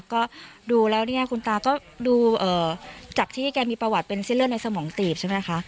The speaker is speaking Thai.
ก็ดูแล้วเนี่ยคุณตาก็ดูจากที่แกมีประวัติเป็นเส้นเลือดในสมองตีบใช่ไหมคะ